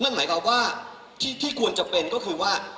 หมายความว่าที่ควรจะเป็นก็คือว่า